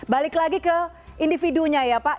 balik lagi ke individunya ya pak